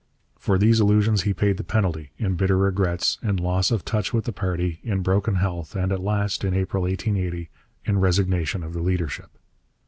For these illusions he paid the penalty, in bitter regrets, in loss of touch with the party, in broken health, and at last, in April 1880, in resignation of the leadership.